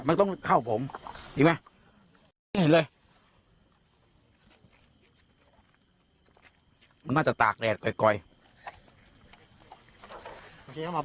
มันว่าจะตากแรดก่อย